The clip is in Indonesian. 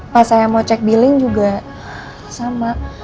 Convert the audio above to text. pas saya mau cek billing juga sama